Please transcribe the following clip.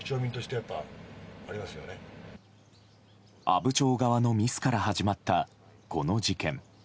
阿武町側のミスから始まったこの事件。